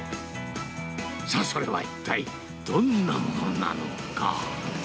さあ、それは一体どんなものなのか。